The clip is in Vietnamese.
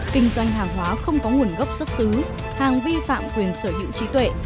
kinh doanh hàng hóa không có nguồn gốc xuất xứ hàng vi phạm quyền sở hữu trí tuệ